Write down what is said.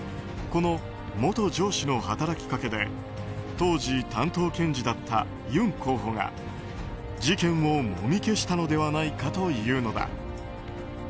この元上司の働きかけで当時担当検事だったユン候補が事件をもみ消したのではないかというのだ。